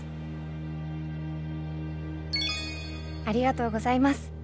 ありがとうございます！